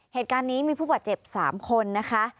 เหตุการณ์นี้มีผู้บาดเจ็บ๓คนนะคะ